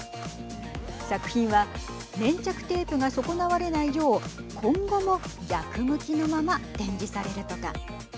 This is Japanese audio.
作品は粘着テープが損なわれないよう今後も逆向きのまま展示されるとか。